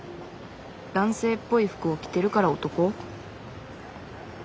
男性っぽい服を着てるから男？